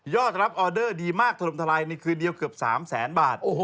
รับออเดอร์ดีมากถล่มทลายในคืนเดียวเกือบ๓แสนบาท